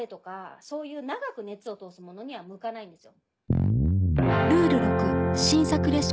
そういう長く熱を通すものには向かないんですよ。